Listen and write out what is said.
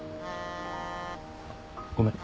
ごめん。